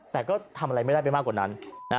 แต่ก็ทำอะไรไม่ได้ไปมากกว่านั้น